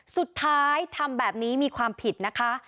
ทำแบบนี้มีความผิดนะคะ